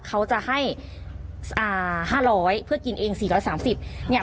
เขาจะให้อ่าห้าร้อยเพื่อกินเองสี่ร้อยสามสิบเนี่ย